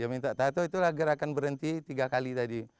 ya minta tahto itulah gerakan berhenti tiga kali tadi